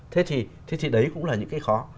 thế thì đấy cũng là những cái khó